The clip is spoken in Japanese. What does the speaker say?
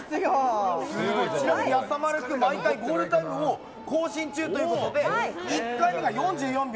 ちなみに、やさまる君毎回ゴールタイムを更新中ということで１回目が４４秒。